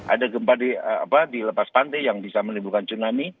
ada gempa di lepas pantai yang bisa menimbulkan tsunami